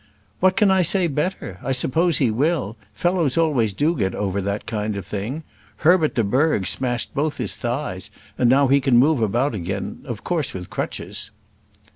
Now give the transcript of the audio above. "What can I say better? I suppose he will. Fellows always do get over that kind of thing. Herbert de Burgh smashed both his thighs, and now he can move about again, of course with crutches."